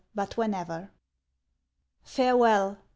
BUT WHENEVER. Farewell!